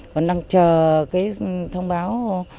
và đang chờ thông báo